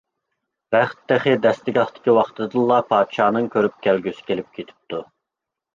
رەخت تېخى دەستىگاھتىكى ۋاقتىدىلا، پادىشاھنىڭ كۆرۈپ كەلگۈسى كېلىپ كېتىپتۇ.